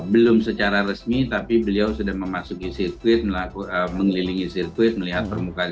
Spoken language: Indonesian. belum secara resmi tapi beliau sudah memasuki sirkuit mengelilingi sirkuit melihat permukaan